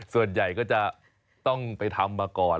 ส่วนใหญ่ก็จะต้องไปทำมาก่อน